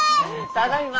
ただいま！